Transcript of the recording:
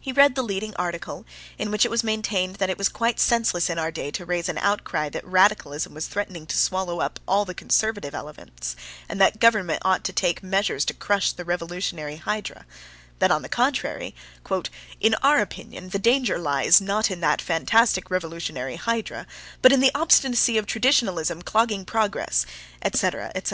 He read the leading article, in which it was maintained that it was quite senseless in our day to raise an outcry that radicalism was threatening to swallow up all conservative elements, and that the government ought to take measures to crush the revolutionary hydra; that, on the contrary, "in our opinion the danger lies not in that fantastic revolutionary hydra, but in the obstinacy of traditionalism clogging progress," etc., etc.